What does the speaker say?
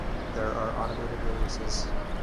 There are automated releases